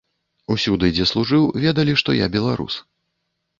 Усюды, дзе служыў, ведалі, што я беларус.